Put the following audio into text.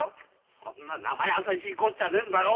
そんななまやさしいこっちゃねえんだよ。